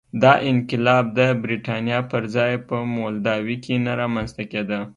دا انقلاب د برېټانیا پر ځای په مولداوي کې نه رامنځته کېده.